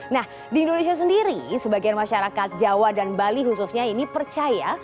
nah di indonesia sendiri sebagian masyarakat jawa dan bali khususnya ini percaya